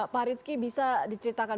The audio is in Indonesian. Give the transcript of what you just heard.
pak rizky bisa diceritakan